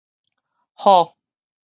好